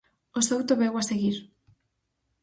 O Souto veu a seguir.